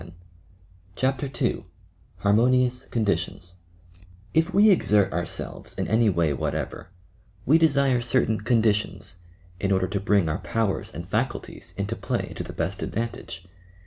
1 CHAPTER II "HARMONIOUS CONDITIONS" Ip we exert ourselves in any way whatever, we desire certain "conditions," in order to bring our powers and faculties into play to the best advantage.